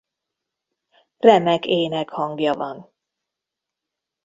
Remek énekhangja van.